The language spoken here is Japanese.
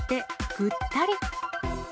ぐったり。